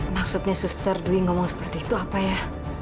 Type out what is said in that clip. maksudnya suster dwi ngomong seperti itu apa ya